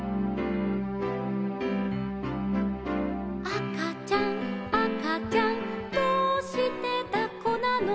「あかちゃんあかちゃんどうしてだっこなの」